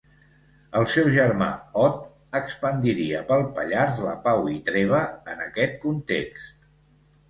El seu germà Ot expandiria pel Pallars la Pau i Treva en aquest context.